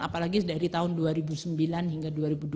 apalagi dari tahun dua ribu sembilan hingga dua ribu dua puluh